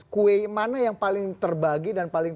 kue mana yang paling terbagi dan paling